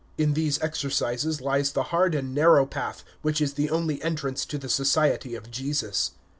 In these exercises lies the hard and narrow path which is the only entrance to the Society of Jesus.